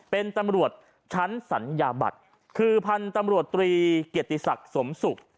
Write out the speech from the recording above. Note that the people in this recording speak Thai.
เป็นตำรวจชั้นสัญญาบัตรคือพันธุ์ตำรวจตรีเกียรติศักดิ์สมศุกร์